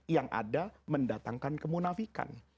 yang ada mendatangkan kemunafikan